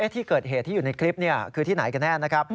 ที่เกิดเหตุที่อยู่ในคลิปคือที่ไหนกันแน่นะครับ